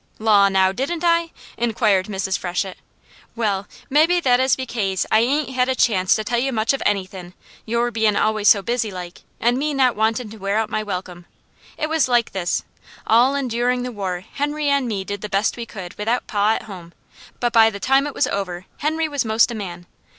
"Law now, didn't I?" inquired Mrs. Freshett. "Well mebby that is bekase I ain't had a chance to tell you much of anythin', your bein' always so busy like, an' me not wantin' to wear out my welcome. It was like this: All endurin' the war Henry an' me did the best we could without pa at home, but by the time it was over, Henry was most a man.